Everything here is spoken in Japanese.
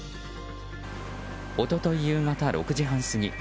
一昨日夕方６時半過ぎ